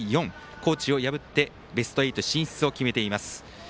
高知を破ってベスト８進出を決めています。